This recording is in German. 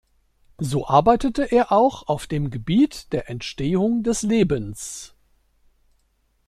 So arbeitete er auch auf dem Gebiet der Entstehung des Lebens.